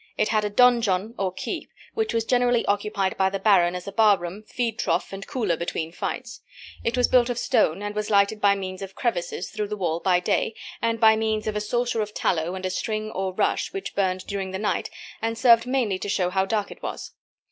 It had a "donjon," or keep, which was generally occupied by the baron as a bar room, feed trough, and cooler between fights. It was built of stone, and was lighted by means of crevices through the wall by day, and by means of a saucer of tallow and a string or rush which burned during the night and served mainly to show how dark it was.